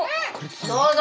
どうぞ！